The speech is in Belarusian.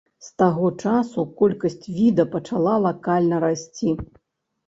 З таго часу колькасць віда пачала лакальна расці.